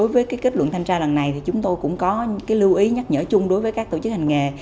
với kết luận thanh tra lần này thì chúng tôi cũng có lưu ý nhắc nhở chung đối với các tổ chức hành nghề